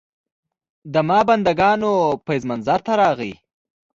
د ما بندګانو فیض منظر ته راغی.